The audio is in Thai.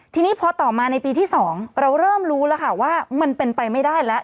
ทีนี้พอต่อมาในปีที่๒เราเริ่มรู้แล้วค่ะว่ามันเป็นไปไม่ได้แล้ว